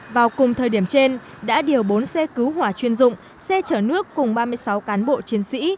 vào cùng thời điểm trên đã điều bốn xe cứu hỏa chuyên dụng xe chở nước cùng ba mươi sáu cán bộ chiến sĩ